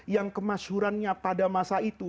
yang kemasyurannya pada masa itu